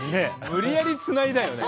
無理やりつないだよね。